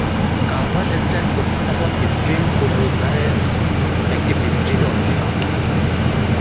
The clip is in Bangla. কালভার্ট স্টাইল প্রতিস্থাপন স্ট্রিম পুনরুদ্ধারের একটি বিস্তৃত অনুশীলন।